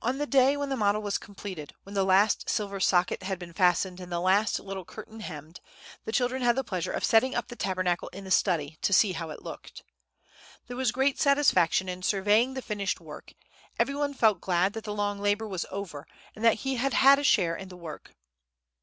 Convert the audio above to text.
On the day when the model was completed, when the last silver socket had been fastened, and the last little curtain hemmed, the children had the pleasure of setting up the Tabernacle in the study, to see how it looked. There was great satisfaction in surveying the finished work; every one felt glad that the long labor was over, and that he had had a share in the work.